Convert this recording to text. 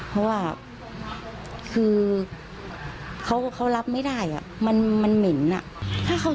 เพราะว่าคือเขาเขารับไม่ได้อ่ะมันเหม็นน่ะ